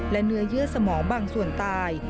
และเนื้อเยื่อสมองบางส่วนตาย